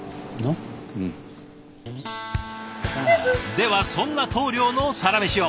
ではそんな棟梁のサラメシを。